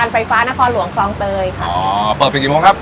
อ๋อเปิดจนกี่โมงครับ